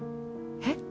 えっ？